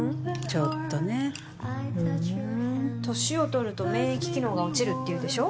ちょっとねふうん歳を取ると免疫機能が落ちるっていうでしょ